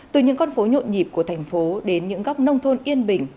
từ những con phố nhộn nhịp của thành phố đến những góc nông thôn yên bình